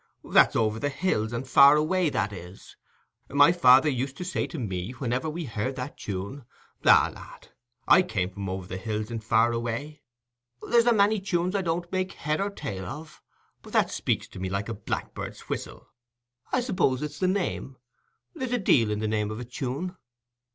"That's "Over the hills and far away", that is. My father used to say to me, whenever we heard that tune, "Ah, lad, I come from over the hills and far away." There's a many tunes I don't make head or tail of; but that speaks to me like the blackbird's whistle. I suppose it's the name: there's a deal in the name of a tune."